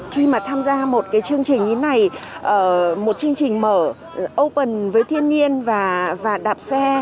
khi mà tham gia một cái chương trình như này một chương trình mở open với thiên nhiên và đạp xe